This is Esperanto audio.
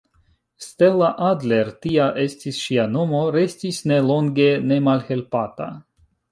Stella Adler tia estis ŝia nomo restis ne longe ne malhelpata.